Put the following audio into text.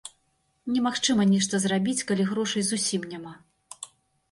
Немагчыма нешта зрабіць, калі грошай зусім няма.